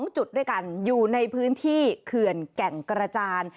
๒จุดด้วยกันอยู่ในพื้นที่เขื่อนแก่งกระจาน